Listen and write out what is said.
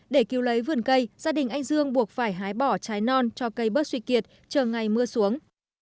để cứu lấy vườn cây gia đình anh dương buộc phải hái bỏ trái non cho cây bớt suy kiệt chờ ngày mưa xuống